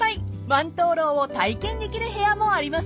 ［万燈籠を体験できる部屋もありますよ］